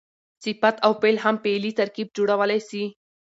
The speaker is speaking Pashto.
صفت او فعل هم فعلي ترکیب جوړولای سي.